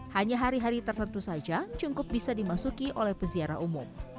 hanya hari hari tertentu saja cungkup bisa dimasuki oleh peziarah umum